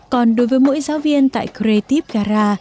còn đối với mỗi giáo viên tại veritipara